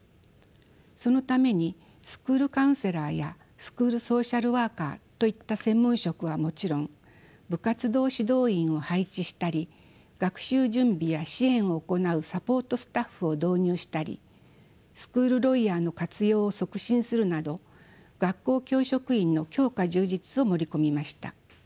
そのためにスクールカウンセラーやスクールソーシャルワーカーといった専門職はもちろん部活動指導員を配置したり学習準備や支援を行うサポートスタッフを導入したりスクールロイヤーの活用を促進するなど学校教職員の強化充実を盛り込みました。